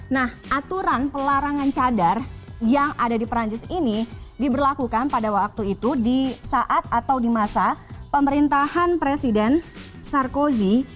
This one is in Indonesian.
nah aturan pelarangan cadar yang ada di perancis ini diberlakukan pada waktu itu di saat atau di masa pemerintahan presiden sarkozi